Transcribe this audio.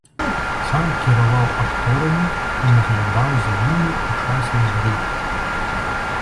Сам кіраваў акторамі і наглядаў за імі ў часе ігры.